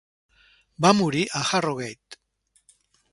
Va morir a Harrogate.